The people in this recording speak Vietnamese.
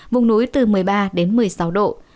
vùng núi từ một mươi ba đến một mươi sáu độ